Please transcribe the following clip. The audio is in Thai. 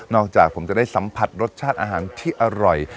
จากผมจะได้สัมผัสรสชาติอาหารที่อร่อย